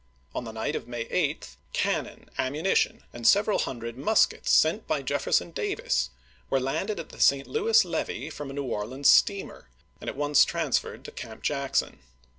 On the night of May 8, cannon, am munition, and several hundred muskets, sent by Jefferson Davis, were landed at the St. Louis levee from a New Orleans steamer, and at once trans ferred to Camp Jackson.